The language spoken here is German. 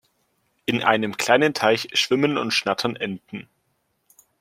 In einem kleinen Teich schwimmen und schnattern Enten.